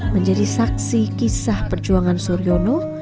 menjadi saksi kisah perjuangan suryono